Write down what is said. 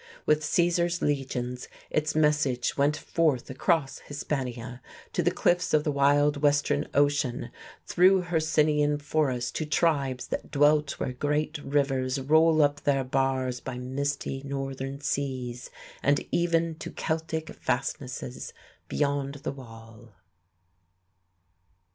With Caesar's legions its message went forth across Hispania to the cliffs of the wild western ocean, through Hercynian forests to tribes that dwelt where great rivers roll up their bars by misty, northern seas, and even to Celtic fastnesses beyond the Wall....